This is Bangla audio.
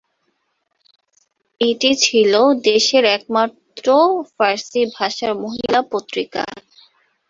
এটি ছিল দেশের একমাত্র ফার্সি ভাষার মহিলা পত্রিকা।